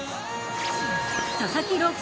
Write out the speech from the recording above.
佐々木朗希